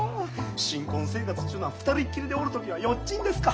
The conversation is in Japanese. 新婚生活ちゅうのは２人きりでおる時はヨッチンですか。